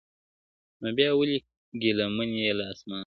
نو بیا ولي ګیله من یې له اسمانه!